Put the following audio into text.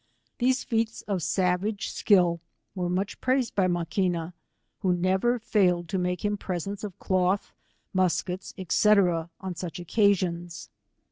These feats of savage skill were much praised by Maquina, who never filled to make him presents of cloth, muskets, &c. on such occasions.